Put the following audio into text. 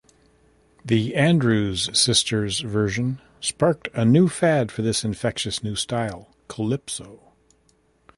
The Andrews Sisters' version sparked a new fad for this infectious new style, "calypso".